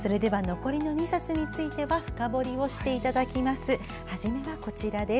残りの２冊については深掘りをしていただきます。